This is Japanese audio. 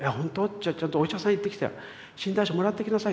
じゃちょっとお医者さん行ってきて診断書もらってきなさい」。